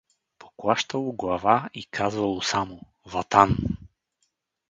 Поклащало глава и казвало само: „Ватан!“